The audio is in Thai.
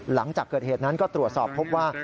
หลังจากเกิดเหตุนั้นก็ตรวจสอบพบว่า